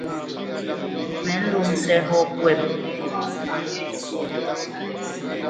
Me nlômse hop wem.